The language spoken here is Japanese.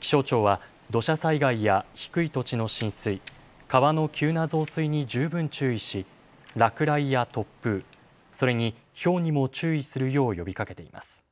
気象庁は土砂災害や低い土地の浸水、川の急な増水に十分注意し落雷や突風、それに、ひょうにも注意するよう呼びかけています。